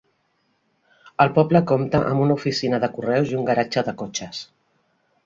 El poble compta amb una oficina de correus i un garatge de cotxes.